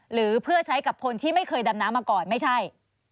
หรือเพื่อใช้กับคนที่ไม่เคยดำน้ำมาก่อนไม่ใช่